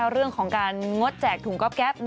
เรื่องของการงดแจกถุงก๊อบแป๊บ